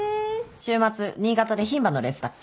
週末新潟で牝馬のレースだっけ？